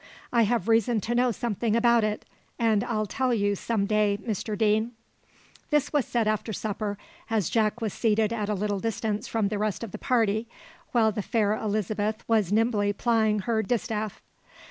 I have reason to know something about it; and I'll tell you some day, Mr Deane." This was said after supper, as Jack was seated at a little distance from the rest of the party, while the fair Elizabeth was nimbly plying her distaff.